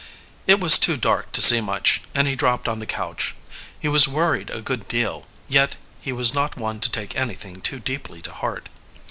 It was too dark to see much, and he dropped on the couch. He was worried a good deal, yet he was not one to take anything too deeply to heart.